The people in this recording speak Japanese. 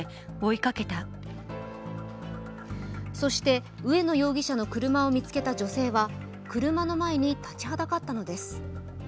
そして上野容疑者の車を見つけた女性は、車の前に立ちはだかったのです。